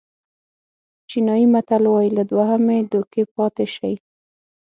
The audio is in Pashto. چینایي متل وایي له دوهمې دوکې پاتې شئ.